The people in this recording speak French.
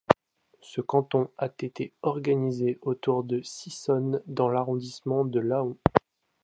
Ce canton a été organisé autour de Sissonne dans l'arrondissement de Laon.